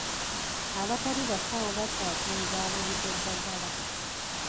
Abatali basawo bakyatunza abantu eddagala.